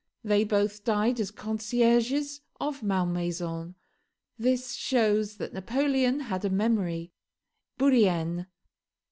They both died as concierges of Malmaison. This shows that Napoleon had a memory. Bourrienne.